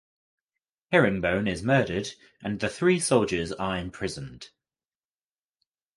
Herringbone is murdered and the three soldiers are imprisoned.